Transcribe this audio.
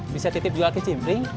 bisa titip juga ke cimpring